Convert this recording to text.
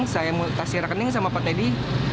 saya mau kasih rekening sama pak teddy